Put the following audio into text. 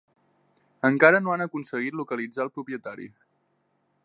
Encara no han aconseguit localitzar el propietari.